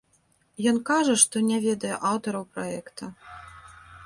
Ён кажа, што не ведае аўтараў праекта.